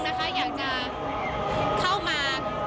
ตอนนี้เป็นครั้งหนึ่งครั้งหนึ่ง